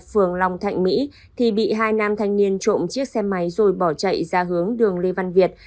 phường long thạnh mỹ thì bị hai nam thanh niên trộm chiếc xe máy rồi bỏ chạy ra hướng đường lê văn việt